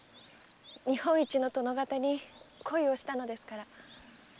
日本一の殿方に恋をしたのですから。